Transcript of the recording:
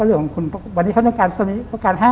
วันนี้เขาต้องการ๕